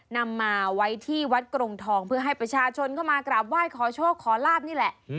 นำมาไว้ที่วัดกรงทองเพื่อให้ประชาชนเข้ามากราบไหว้ขอโชคขอลาบนี่แหละ